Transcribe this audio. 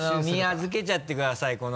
身預けちゃってください